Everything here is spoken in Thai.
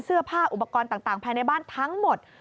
เสื้อผ้าอุปกรณ์ต่างภายในบ้านทั้งหมด